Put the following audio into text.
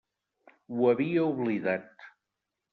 Ho havia oblidat.